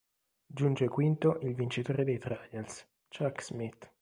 Giunge quinto il vincitore dei Trials, Chuck Smith.